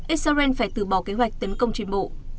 israel phải từ bỏ kế hoạch tấn công trên bộ